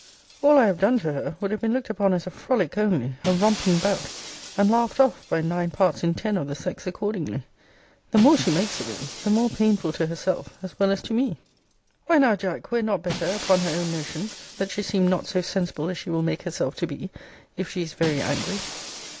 All I have done to her, would have been looked upon as a frolic only, a romping bout, and laughed off by nine parts in ten of the sex accordingly. The more she makes of it, the more painful to herself, as well as to me. Why now, Jack, were it not better, upon her own notions, that she seemed not so sensible as she will make herself to be, if she is very angry?